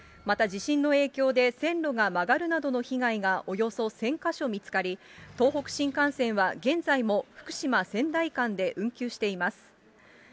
また地震の影響で、線路が曲がるなどの被害がおよそ１０００か所見つかり、東北新幹線は、現在も福島・仙台間で運休しています。